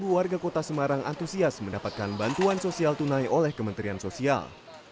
dua puluh warga kota semarang antusias mendapatkan bantuan sosial tunai oleh kementerian sosial